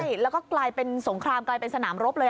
ใช่แล้วก็กลายเป็นสงครามกลายเป็นสนามรบเลย